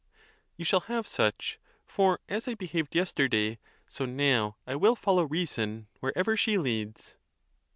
You shall have such: for as I behaved yesterday, so now I will follow reason wherever she leads.